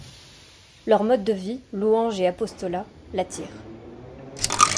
Leur mode de vie, louange et apostolat, l’attire.